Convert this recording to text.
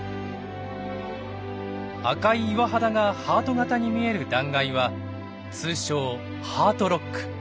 赤い岩肌がハート形に見える断崖は通称ハートロック。